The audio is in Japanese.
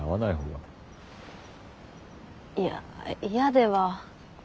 いや嫌では。